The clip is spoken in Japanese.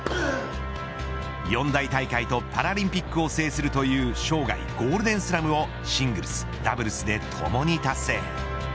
四大大会とパラリンピックを制するという生涯ゴールデンスラムをシングルス、ダブルスでともに達成。